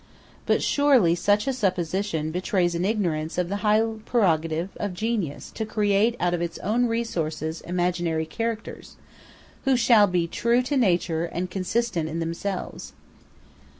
But surely such a supposition betrays an ignorance of the high prerogative of genius to create out of its own resources imaginary characters, who shall be true to nature and consistent in themselves.